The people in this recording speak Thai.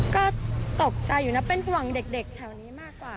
ก็ตกใจอยู่นะเป็นห่วงเด็กแถวนี้มากกว่า